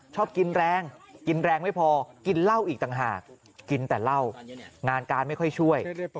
ชอบกินแรงกินแรงไม่พอกินเหล้าอีกต่างหากกินแต่เหล้างานการไม่ค่อยช่วย